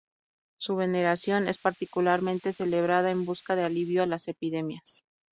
Su veneración es particularmente celebrada en busca de alivio a las epidemias.